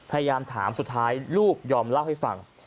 พยายามถามสุดท้ายลูกยอมเล่าให้ฟัง